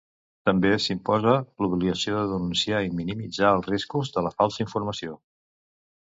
També s'imposa l'obligació de denunciar i minimitzar els riscos de la falsa informació.